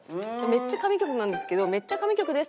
めっちゃ神曲なんですけど。